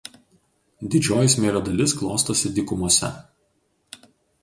Didžioji smėlio dalis klostosi dykumose.